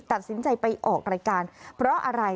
ตัดสินใจไปออกรายการเพราะอะไร